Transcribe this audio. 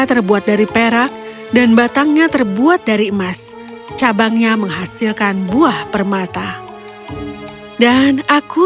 terbuat dari perak dan batangnya terbuat dari emas cabangnya menghasilkan buah permata dan aku